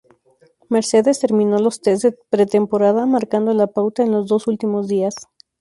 Mercedes terminó los tests de pretemporada marcando la pauta en los dos últimos días.